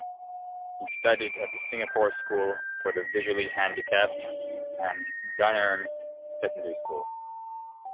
He studied at the Singapore School for the Visually Handicapped and Dunearn Secondary School.